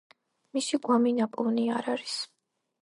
მისი გვამი ნაპოვნი არ არის.